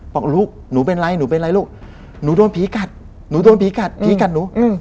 บอกลูกหนูเป็นไรหนูเป็นไรลูกหนูโดนผีกัดหนูโดนผีกัดผีกัดหนู